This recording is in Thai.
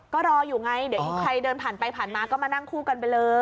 ก็รออยู่ไงเดี๋ยวใครเดินผ่านไปผ่านมาก็มานั่งคู่กันไปเลย